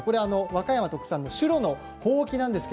和歌山特産の棕櫚のほうきです。